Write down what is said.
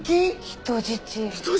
人質！？